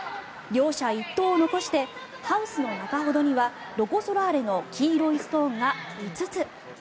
両者１投を残してハウスの中ほどにはロコ・ソラーレの黄色いストーンが５つ。